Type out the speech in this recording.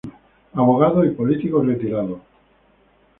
Abogado y político retirado.